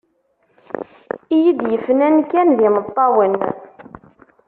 I yi-d-yefnan kan d imeṭṭawen.